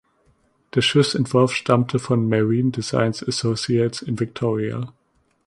Der Schiffsentwurf stammte von Marine Design Associates in Victoria.